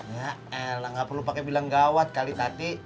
ya elah enggak perlu pakai bilang gawat kali tadi